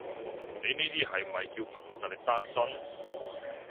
你呢啲係咪叫憑實力單身？